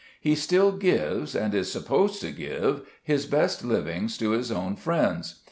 He still gives, and is supposed to give, his best livings to his own friends.